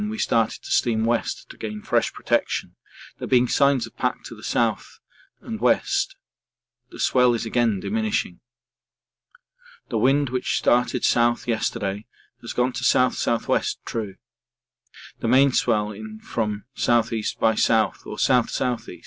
we started to steam west to gain fresh protection, there being signs of pack to south and west; the swell is again diminishing. The wind which started south yesterday has gone to S.S.W. (true), the main swell in from S.E. by S. or S.S.E.